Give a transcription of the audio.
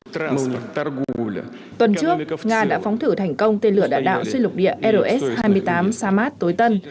tuần trước nga đã phóng thử thành công tên lửa đạn đạo xuyên lục địa rs hai mươi tám samat tối tân